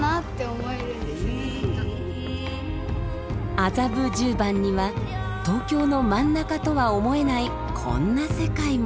麻布十番には東京の真ん中とは思えないこんな世界も。